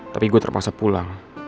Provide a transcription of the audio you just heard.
tapi gue terpaksa pulang